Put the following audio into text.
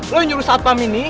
lo yang nyuruh saat pam ini